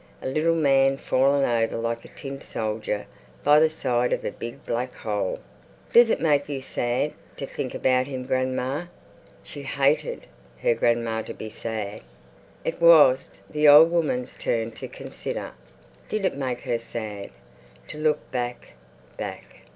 A little man fallen over like a tin soldier by the side of a big black hole. "Does it make you sad to think about him, grandma?" She hated her grandma to be sad. It was the old woman's turn to consider. Did it make her sad? To look back, back.